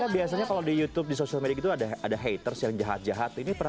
nangis biasanya kalau di youtube di sosial media itu ada ada haters yang jahat jahat ini pernah